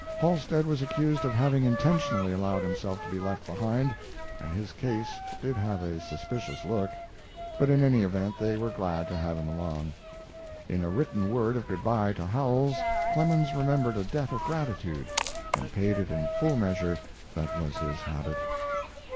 Halstead was accused of having intentionally allowed himself to be left behind, and his case did have a suspicious look; but in any event they were glad to have him along. In a written word of good by to Howells, Clemens remembered a debt of gratitude, and paid it in the full measure that was his habit.